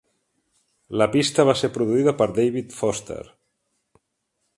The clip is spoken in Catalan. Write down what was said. La pista va ser produïda per David Foster.